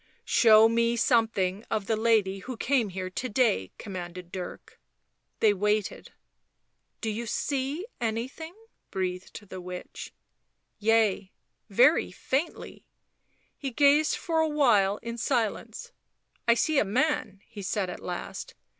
" Show me something of the lady who came here to day," commanded Dirk. They waited. " Do ye see anything ?" breathed the witch. " Yea — very faintly." He gazed for a while in silence. " I see a man," he said at last.